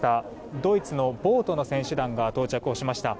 ドイツのボートの選手団が到着をしました。